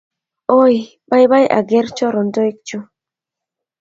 oooi baibai aker chorontoik chuu